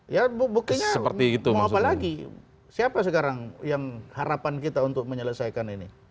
ya buktinya mau apa lagi siapa sekarang yang harapan kita untuk menyelesaikan ini